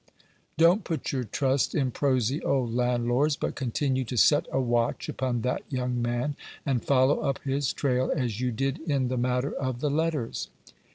H. Don't put your trust in prosy old landlords, but continue to set a watch upon that young man, and follow up his trail as you did in the matter of the letters.